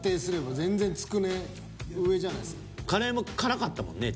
カレーも辛かったもんね？